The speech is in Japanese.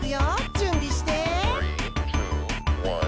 じゅんびして。